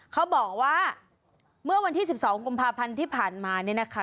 เขาบอกว่าเมื่อวันที่๑๒กุมภาพันธ์ที่ผ่านมาเนี่ยนะคะ